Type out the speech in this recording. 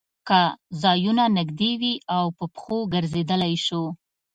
که ځایونه نږدې وي او په پښو ګرځېدای شو.